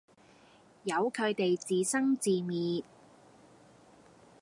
由佢地自生自滅